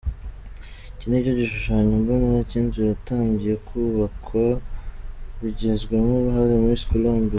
Iki nicyo gishushanyo mbonera cy’inzu yatangiye kubakwa bigizwemo uruhare Miss Colombe.